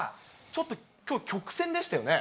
ちょっときょう、曲線でしたよね。